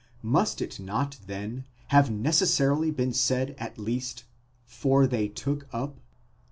Must it not then have necessarily been said at least ἦραν γὰρ, for they took up?